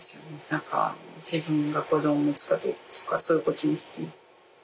何か自分が子供持つかどうかとかそういうこと気にする。